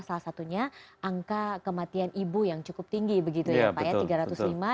salah satunya angka kematian ibu yang cukup tinggi begitu ya pak ya